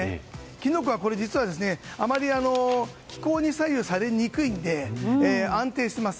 キノコは実は気候に左右されにくいので安定しています。